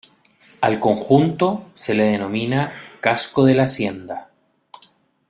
Al conjunto, se le denomina "casco de la hacienda".